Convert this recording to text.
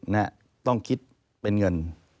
นะต้องคิดเป็นเงิน